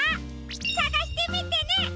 さがしてみてね！